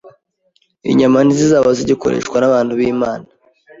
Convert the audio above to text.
Inyama ntizizaba zigikoreshwa n’abantu b’Imana.